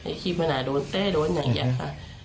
ไอ้ชิบมันอ่ะโดนเต๊ะโดนอย่างเดียวครับ